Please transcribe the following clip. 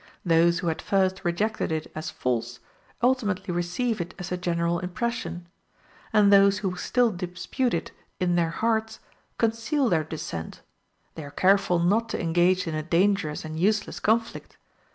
Those who at first rejected it as false, ultimately receive it as the general impression; and those who still dispute it in their hearts, conceal their dissent; they are careful not to engage in a dangerous and useless conflict.